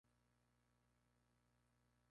Gerard Mortier era hijo de un panadero de Gante.